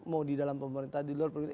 mau di dalam pemerintahan di luar pemerintah